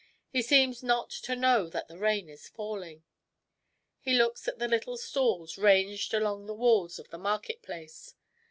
He seems not to know that the rain is falling. He looks at the little stalls ranged along the walls of the market place.